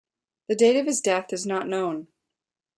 The date of his death is not known.